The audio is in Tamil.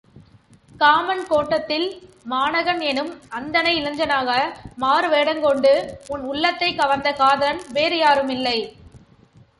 காமன் கோட்டத்தில் மாணகன் என்னும் அந்தண இளைஞனாக மாறுவேடங்கொண்டு உன் உள்ளத்தைக் கவர்ந்த காதலன் வேறு யாறுமில்லை!